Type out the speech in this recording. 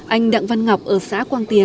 anh đặng văn ngọc ở xã quang tuyên